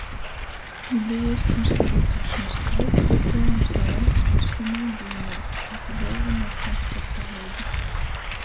Videjais puorsavītuošonu skaits, attuolums i laiks personai dīnā piec golvonuo transporta veida.